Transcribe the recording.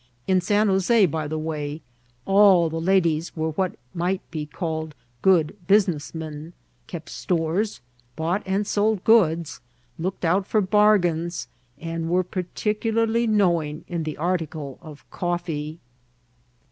In San Jos6, by the way, all the ladies, were what might be called good business men, kept stores, bought and sold goods, look ed out for bargains, and were particularly knowing in the article of coffee.